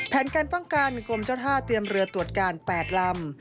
แผนการป้องกันกรมเจ้าท่าเตรียมเรือตรวจการ๘ลำ